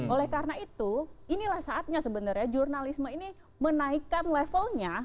oleh karena itu inilah saatnya sebenarnya jurnalisme ini menaikkan levelnya